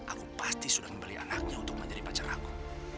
aku pasti sudah membeli anaknya untuk menjadi pacar aku